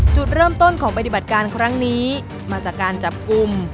จุดเริ่มต้นของปฏิบัติการครั้งนี้มาจากการจับกลุ่ม